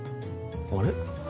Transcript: あれ？